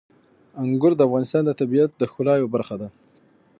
انګور د افغانستان د طبیعت د ښکلا یوه برخه ده.